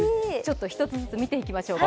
１つずつ見ていきましょうか。